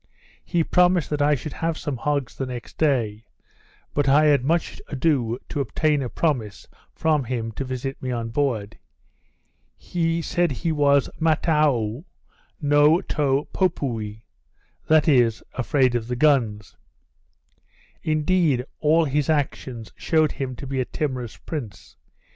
He promised that I should have some hogs the next day; but I had much ado to obtain a promise from him to visit me on board. He said he was, mataou no to poupoue, that is, afraid of the guns. Indeed all his actions shewed him to be a timorous prince.